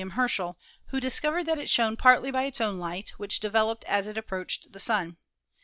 (From the World of Comets.) Herschel, who discovered that it shone partly by its own light, which developed as it approached the Sun.